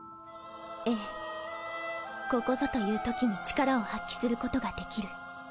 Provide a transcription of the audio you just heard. ええここぞという時に力を発揮することができる